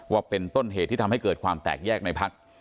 ว่าเป็นต้นเหตุที่ทำให้เกิดความแตกแยกในพัก